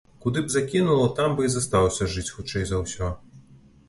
Куды б закінула, там бы і застаўся жыць хутчэй за ўсё.